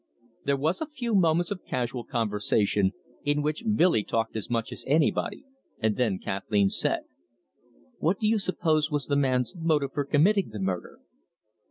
There was a few moments of casual conversation, in which Billy talked as much as anybody, and then Kathleen said: "What do you suppose was the man's motive for committing the murder?"